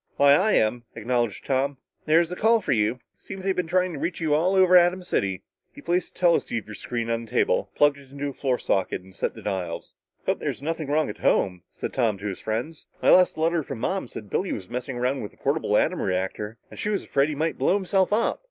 "Why I am," acknowledged Tom. "There's a call for you. Seems they've been trying to reach you all over Atom City." He placed the teleceiver screen on the table, plugged it into a floor socket and set the dials. "Hope's there's nothing wrong at home," said Tom to his friends. "My last letter from Mom said Billy was messing around with a portable atom reactor and she was afraid he might blow himself up."